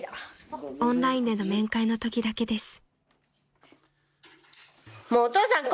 ［オンラインでの面会のときだけです］